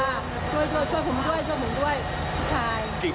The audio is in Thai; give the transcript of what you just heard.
ช่วยช่วยผมด้วยช่วยผมด้วยผู้ชาย